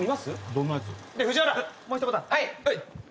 はい。